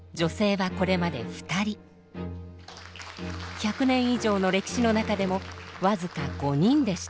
１００年以上の歴史の中でも僅か５人でした。